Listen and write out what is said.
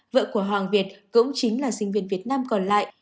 vợ của hoàng việt cũng chính là sinh viên việt nam còn lại